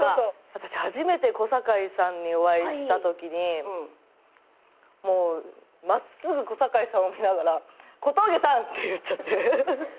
私初めて小堺さんにお会いしたときにもう真っすぐ小堺さんを見ながら「小峠さん」って言っちゃって。